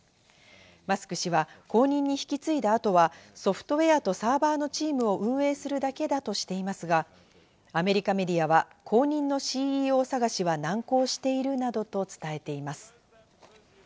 マスク氏は後任に引き継いだ後は、ソフトウエアとサーバーのチームを運営するだけだとしていますが、アメリカメディアは後任のＣＥＯ探しは難航しているなどと伝えています。